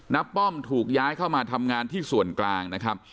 ป้อมถูกย้ายเข้ามาทำงานที่ส่วนกลางนะครับ